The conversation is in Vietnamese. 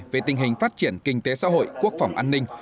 về tình hình phát triển kinh tế xã hội quốc phòng an ninh